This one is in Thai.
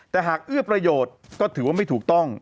แต่หากเอื้อประโยชน์ก็ถือว่าไม่ถูกต้อง